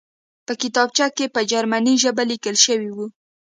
په کتابچه کې په جرمني ژبه لیکل شوي وو